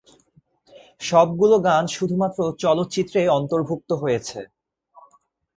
সবগুলো গান শুধুমাত্র চলচ্চিত্রে অন্তর্ভুক্ত হয়েছে।